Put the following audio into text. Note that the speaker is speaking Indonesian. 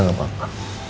dia gak lupa